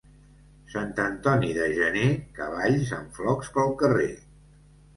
Sant Antoni de gener, cavalls amb flocs pel carrer.